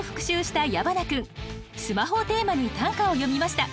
「スマホ」をテーマに短歌を詠みました。